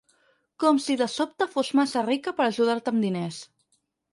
Com si de sobte fos massa rica per ajudar-te amb diners.